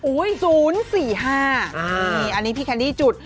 อันนี้พี่แคนดี้จุด